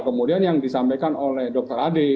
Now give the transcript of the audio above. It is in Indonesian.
kemudian yang disampaikan oleh dr ade